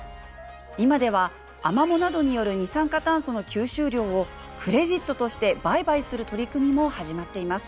今ではアマモなどによる二酸化炭素の吸収量をクレジットとして売買する取り組みも始まっています。